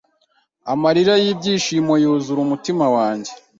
amarira y’ibyishimo yuzura umutima wanjye